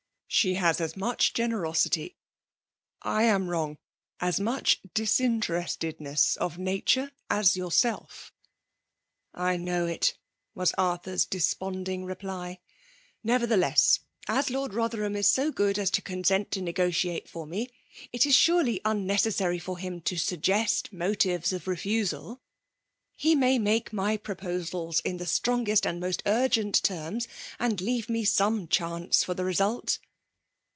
Sbe has as much generosity, — I am wrong, — as much disinterestedness of nature as yourself" " I know it !" was Arthur's desponding veply. " Nevertheless, as Lord Botherhaai is so good as to consent to negotiate for me, it is surely unnecessary for him to suggest motives of refusal He may make my pro posals in the strongest and most urgent t&noB, and leave me some chance for the result.'